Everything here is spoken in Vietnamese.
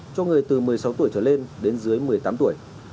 cho người từ một mươi sáu tuổi trở lên đến dưới một mươi tám tuổi